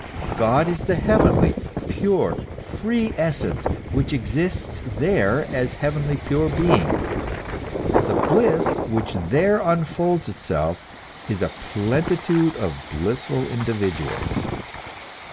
God is the heavenly, pure, free essence, which exists there as heavenly pure beings, the bliss which there unfolds itself in a plenitude of blissful individuals.